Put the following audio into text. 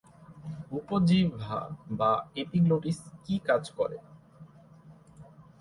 উপজিহ্বা বা এপিগ্লটিস কি কাজ করে?